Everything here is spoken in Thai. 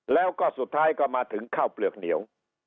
แล้วก็สุดท้ายก็มาถึงข้าวเปลือกเหนียว